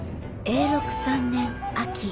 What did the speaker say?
永禄３年秋